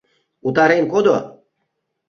Утарен кодо.